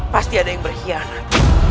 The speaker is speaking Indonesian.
pasti ada yang berkhianat